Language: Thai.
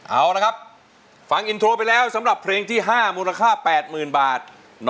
เอาละครับฟังอินโทรไปแล้วสำหรับเพลงที่๕มูลค่า๘๐๐๐บาท